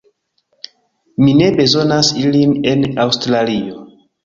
Mi ne bezonas ilin en Aŭstralio